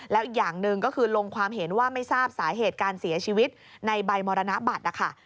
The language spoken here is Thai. แล้วอีกอย่างหนึ่งก็คือลงความเห็นว่าไม่ทราบสาเหตุการเสียชีวิตในใบมรณบัตรนะคะ